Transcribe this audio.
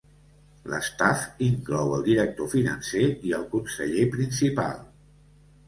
L'staff inclou el Director Financer i el Conseller Principal.